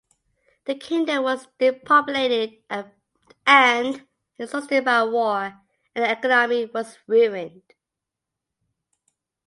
The kingdom was depopulated and exhausted by war, and the economy was ruined.